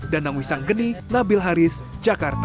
danang wisang geni nabil haris jakarta